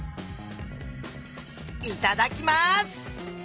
いただきます。